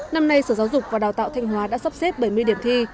năm nay sở giáo dục và đào tạo thanh hóa đã sắp xếp bảy mươi điểm thi